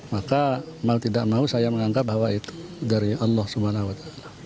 maka mau tidak mau saya menganggap bahwa itu dari allah swt